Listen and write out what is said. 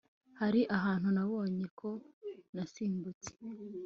hari ahantu nabonye ko nasimbutse